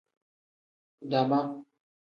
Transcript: Dama.